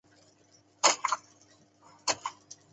是香港望族颜玉莹家族的后人。